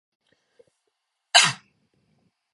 삼 년 동안 안방에서 나오질 않았어요.